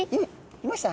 いました？